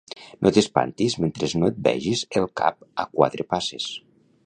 No t'espantis mentre no et vegis el cap a quatre passes.